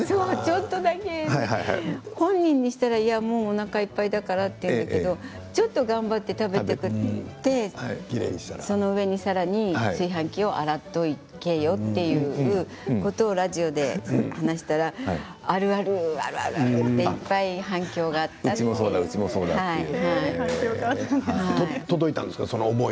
本人にしたらもうおなかいっぱいだからと言うんだけどちょっと頑張って食べてそのうえにさらに炊飯器を洗っておけよということをラジオで話したらあるあるってその思いは届いたんですか。